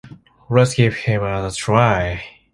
Let's give him another try.